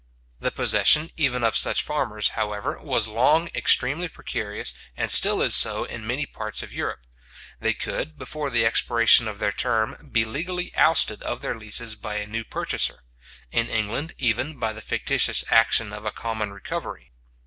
The possession, even of such farmers, however, was long extremely precarious, and still is so in many parts of Europe. They could, before the expiration of their term, be legally ousted of their leases by a new purchaser; in England, even, by the fictitious action of a common recovery.